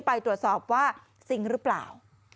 ไปตรวจสอบว่าจริงหรือเปล่า